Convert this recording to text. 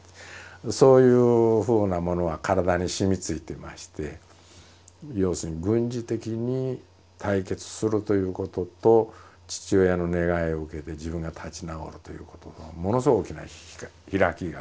そういうふうなものが体にしみついていまして要するに軍事的に解決するということと父親の願いを受けて自分が立ち直るということとものすごい大きな開きがありまして。